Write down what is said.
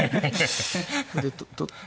で取って。